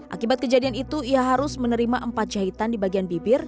akibat kejadian itu ia harus menerima empat jahitan di bagian bibir